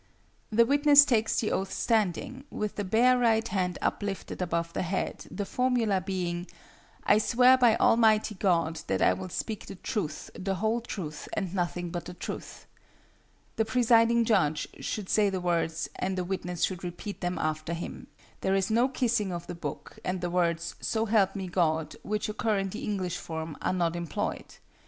The witness takes the oath standing, with the bare right hand uplifted above the head, the formula being: 'I swear by Almighty God that I will speak the truth, the whole truth, and nothing but the truth.' The presiding judge should say the words, and the witness should repeat them after him. There is no kissing of the book, and the words 'So help me, God,' which occur in the English form, are not employed.